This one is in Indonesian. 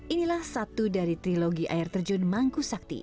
inilah satu dari trilogi air terjun mangkusakti